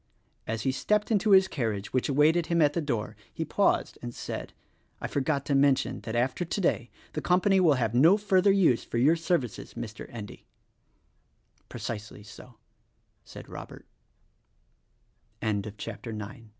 As he stepped into his carriage, which awaited him at the door, he paused and said, "I forgot to mention that after today the company will have no further use for your services, Mr. Endy." "Precisely so!"